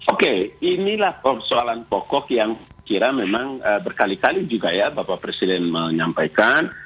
oke inilah persoalan pokok yang kira memang berkali kali juga ya bapak presiden menyampaikan